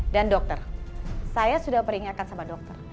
dan dokter saya sudah peringatkan sama dokter